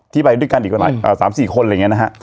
ที่ไปด้วยกันอีกว่าไหน๓๔คนอะไรอย่างนี้นะฮะ